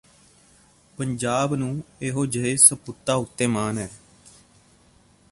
ਪੰਜਾਬ ਨੂੰ ਇਹੋ ਜਿਹੇ ਸਪੂਤਾਂ ਉਤੇ ਮਾਣ ਹੈ